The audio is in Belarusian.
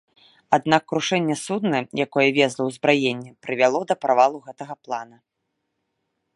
Аднак крушэнне судна, якое везла ўзбраенне, прывяло да правалу гэтага плана.